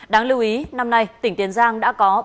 đáng lưu ý năm nay tỉnh tiền giang đã có